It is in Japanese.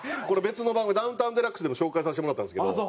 これ別の番組『ダウンタウンＤＸ』でも紹介させてもらったんですけど。